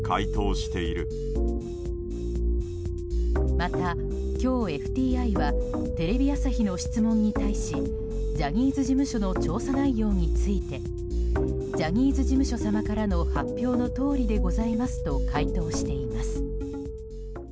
また今日、ＦＴＩはテレビ朝日の質問に対しジャニーズ事務所の調査内容についてジャニーズ事務所様からの発表のとおりでございますと回答しています。